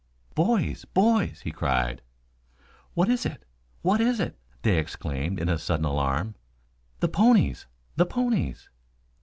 "Boys! Boys!" he cried. "What is it? What is it?" they exclaimed in sudden alarm. "The ponies! The ponies!"